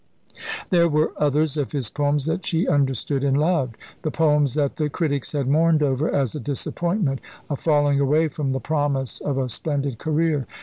There were others of his poems that she understood and loved; the poems that the critics had mourned over as a disappointment, a falling away from the promise of a splendid career.